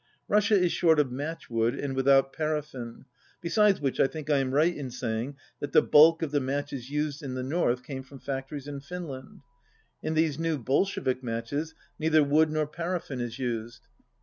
Russia is short of match wood, and without paraffin. Besides which I think I am right in saying that the bulk of the matches used in the north came from fac tories in Finland. In these new Bolshevik matches neither wood nor paraffin is used.